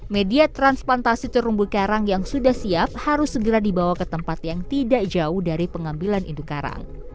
media transplantasi terumbu karang yang sudah siap harus segera dibawa ke tempat yang tidak jauh dari pengambilan induk karang